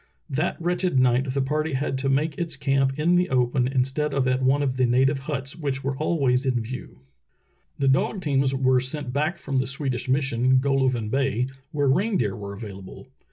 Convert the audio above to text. That wretched night the party had to make its camp in the open instead of at one of the nativ^e huts which were always in view.. The dog teams were sent back from the Swedish mission, Golovin Bay, where reindeer were available.